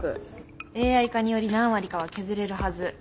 ＡＩ化により何割かは削れるはず。